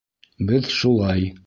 Беҙ шулай!